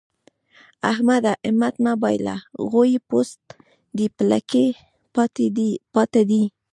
احمده! همت مه بايله؛ غويی پوست دی په لکۍ پاته دی.